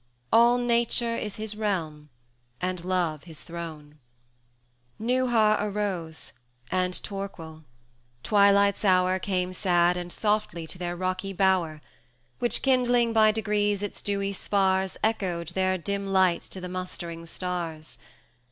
All Nature is his realm, and Love his throne. XVII. Neuha arose, and Torquil: Twilight's hour Came sad and softly to their rocky bower, Which, kindling by degrees its dewy spars, 400 Echoed their dim light to the mustering stars.